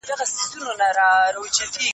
آیا پر مسلمانانو باندې بريد سوی دی؟